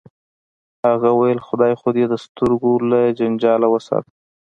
هغه ویل خدای خو دې د سترګو له جنجاله وساته